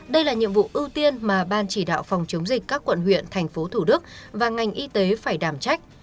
đây là nhiệm vụ ưu tiên mà ban chỉ đạo phòng chống dịch các quận huyện tp thd và ngành y tế phải đảm trách